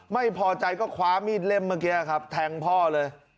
ไม่พอใจก็คว้ามีดเล่มเมื่อกี้ครับแทงพ่อเลย